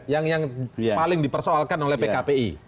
yang paling dipersoalkan oleh pkpi